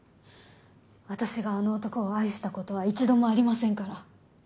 私があの男を愛したことは一度もありませんから。